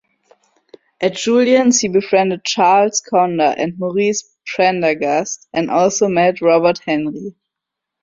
At Julians he befriended Charles Conder and Maurice Prendergast, and also met Robert Henri.